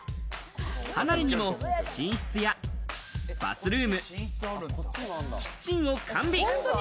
離れにも寝室やバスルーム、キッチンを完備。